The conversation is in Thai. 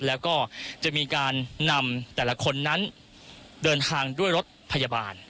แล้วก็จะมีการนำแต่ละคนนั้นเดินทางด้วยรถพยาบาล